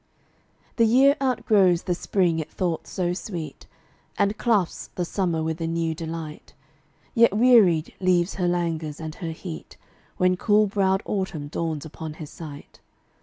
The year outgrows the spring it thought so sweet, And clasps the summer with a new delight, Yet wearied, leaves her languors and her heat When cool browed autumn dawns upon his sight.